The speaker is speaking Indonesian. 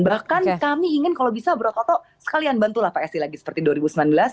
bahkan kami ingin kalau bisa bro toto sekalian bantu lah pak esi lagi seperti dua ribu sembilan belas ini